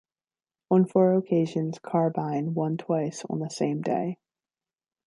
On four occasions Carbine won twice on the same day.